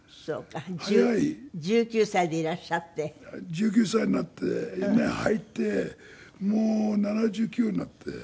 １９歳になって夢入ってもう７９になって。